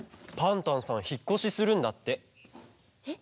パンタンさんひっこしするんだって。